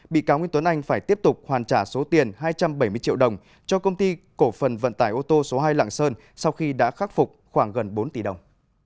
bị cáo nguyễn tuấn anh phải tiếp tục hoàn trả số tiền hai trăm bảy mươi triệu đồng cho công ty cổ phần vận tải ô tô số hai lạng sơn sau khi đã khắc phục khoảng gần bốn tỷ đồng